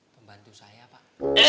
pembantu saya pak